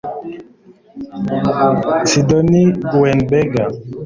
sidonie gruenberg